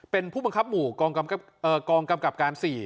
เป็นผู้บังคับหมู่กองกำกับการ๔